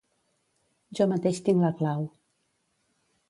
Jo mateix tinc la clau.